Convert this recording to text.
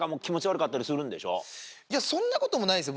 いやそんなこともないですよ